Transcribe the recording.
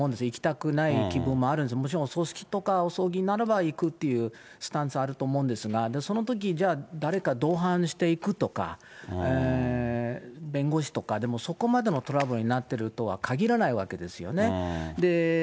行きたくない気分もある、もちろんお葬式とか葬儀ならば行くっていうスタンスあると思うんですが、そのとき、じゃ、誰か同伴していくとか、弁護士とか、でもそこまでのトラブルになっているとはかぎらないわけですよね。